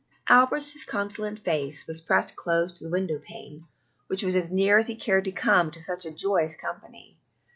Albert's disconsolate face was pressed close to a window pane, which was as near as he cared to come to such a joyous company.